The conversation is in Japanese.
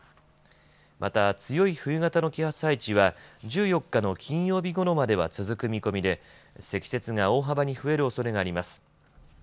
また、強い冬型の気圧配置は１４日の金曜日ごろまでは続く見込みで積雪が大幅に増えるおそれがあります。